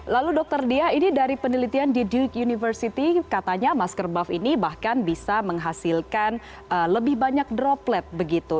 lalu dokter dia ini dari penelitian di duke university katanya masker buff ini bahkan bisa menghasilkan lebih banyak droplet begitu